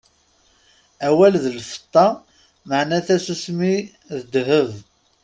Awal d lfeṭṭa, meɛna tasusmi d ddheb.